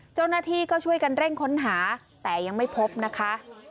เจ้าหน้าที่ก็ช่วยกันเร่งค้นหาแต่ยังไม่พบนะคะ